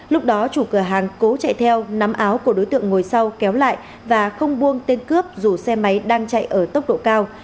lúc đó chủ cửa hàng cố chạy theo nắm áo của đối tượng ngồi sau kéo lại và không buông tên cướp dù xe máy đang chạy ở tốc độ cao